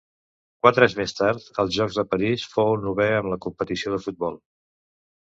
Quatre anys més tard, als Jocs de París fou novè en la competició de futbol.